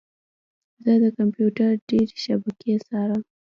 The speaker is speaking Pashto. زه د کمپیوټر ډیرې شبکې څارم.